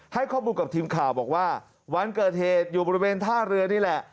ให้ข้อมูลกับทีมข่าวบอกว่าวันเกิดเหตุอยู่บริเวณท่าเรือนี่แหละ